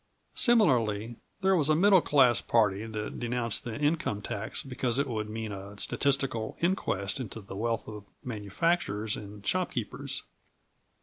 Similarly, there was a middle class party that denounced the income tax because it would mean a statistical inquest into the wealth of manufacturers and shopkeepers.